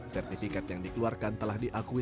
sertifikat yang dikeluarkan telah diakui secara negatif